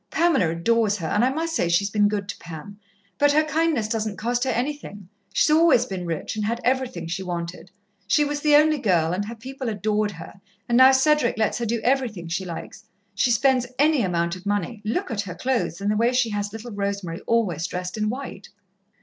Pamela adores her and I must say she's been good to Pam. But her kindness doesn't cost her anything. She's always been rich, and had everything she wanted she was the only girl, and her people adored her, and now Cedric lets her do everything she likes. She spends any amount of money look at her clothes, and the way she has little Rosemary always dressed in white."